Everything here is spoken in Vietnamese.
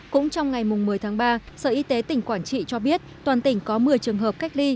cũng trong ngày một mươi tháng ba sở y tế tỉnh quảng trị cho biết toàn tỉnh có một mươi trường hợp cách ly